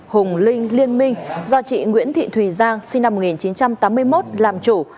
hùng linh liên minh do chị nguyễn thị thùy giang sinh năm một nghìn chín trăm tám mươi một làm chủ